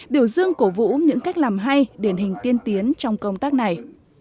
biểu dương cổ vũ những cách làm hay điển hình tiên tiến trong công tác này